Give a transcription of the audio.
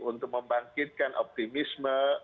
untuk membangkitkan optimisme